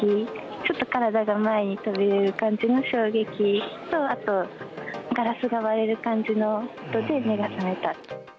ちょっと体が前に飛び出る感じの衝撃と、あと、ガラスが割れる感じの音で目が覚めた。